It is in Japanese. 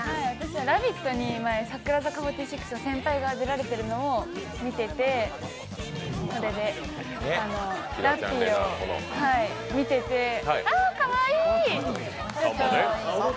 「ラヴィット！」に前、櫻坂４６の先輩が出られているのをこれで見ていて、ラッピーを見てて、あーかわいい！